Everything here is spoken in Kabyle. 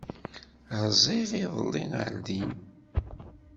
Rziɣ iḍelli ɣer din.